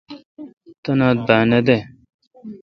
تنا با نہ دہ۔